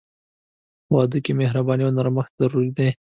په واده کې مهرباني او نرمښت ضروري دي.